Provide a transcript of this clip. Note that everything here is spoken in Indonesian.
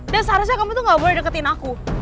dan seharusnya kamu tuh gak boleh deketin aku